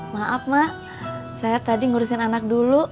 maaf mak saya tadi ngurusin anak dulu